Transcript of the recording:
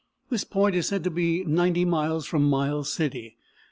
This point is said to be 90 miles from Miles City.